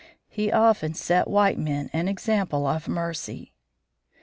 He often set white men an example of mercy.